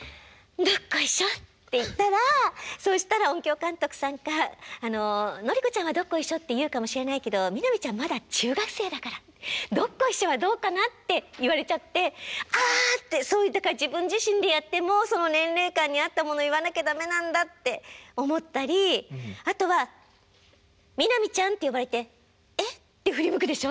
「どっこいしょ」って言ったらそしたら音響監督さんが「あののり子ちゃんはどっこいしょって言うかもしれないけど南ちゃんまだ中学生だからどっこいしょはどうかな」って言われちゃって「ああ」って。だから自分自身でやってもその年齢間に合ったものを言わなきゃ駄目なんだって思ったりあとは「南ちゃん」って呼ばれて「え？」って振り向くでしょ？